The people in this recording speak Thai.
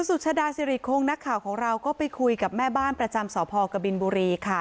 สุชาดาสิริคงนักข่าวของเราก็ไปคุยกับแม่บ้านประจำสพกบินบุรีค่ะ